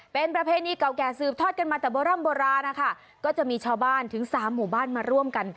เป็นประเพณีเก่าแก่สืบทอดกันมาแต่โบร่ำโบราณนะคะก็จะมีชาวบ้านถึงสามหมู่บ้านมาร่วมกัน